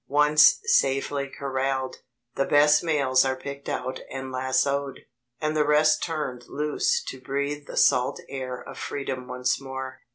Once safely corraled, the best males are picked out and lassoed, and the rest turned loose to breathe the salt air of freedom once more.